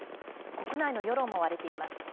国内の世論も割れています。